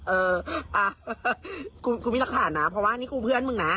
เออโอ้กูไม่รับขออนุญาตนะเพราะว่าเนี่ยคุณเป็นเพื่อนกันนะ